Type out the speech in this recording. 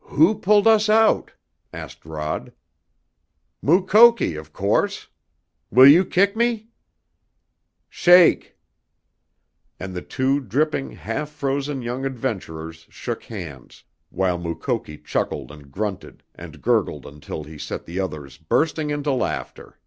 "Who pulled us out?" asked Rod. "Mukoki, of course. Will you kick me?" "Shake!" And the two dripping, half frozen young adventurers shook hands, while Mukoki chuckled and grunted and gurgled until he set the others bursting into laughter.